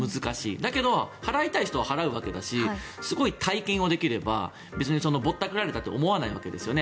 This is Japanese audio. だけど払いたい人は払うわけだしすごい体験をできれば別にぼったくられたって思わないわけですよね。